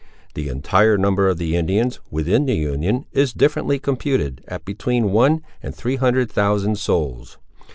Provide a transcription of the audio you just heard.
The entire number of the Indians, within the Union, is differently computed, at between one and three hundred thousand souls.